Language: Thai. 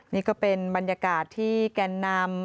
นี่ก็เป็นบรรยากาศที่แกนนำ